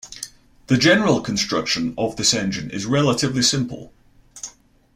The general construction of this engine is relatively simple.